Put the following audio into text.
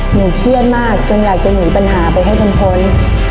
เครียดมากจนอยากจะหนีปัญหาไปให้จนพ้น